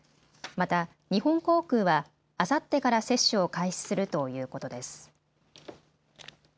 また、日本航空はあさってから接種を開始するということです。